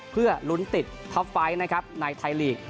เพื่อลุ้นติดท็อปไฟต์นะครับในไทยลีก